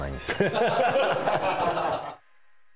ハハハハ！